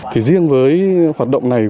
thì riêng với hoạt động này